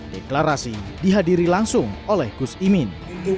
deklarasi dihadiri langsung oleh gus imin